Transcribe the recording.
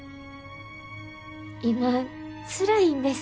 今つらいんです。